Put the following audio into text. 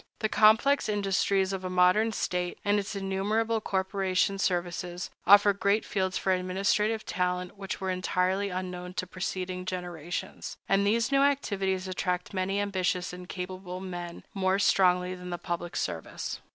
The complex industries of a modern state, and its innumerable corporation services, offer great fields for administrative talent which were entirely unknown to preceding generations; and these new activities attract many ambitious and capable men more strongly than the public service.